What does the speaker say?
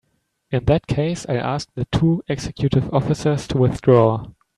In that case I'll ask the two executive officers to withdraw.